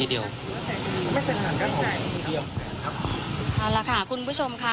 เอาล่ะค่ะคุณผู้ชมค่ะ